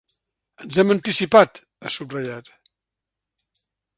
Ens hem anticipat, ha subratllat.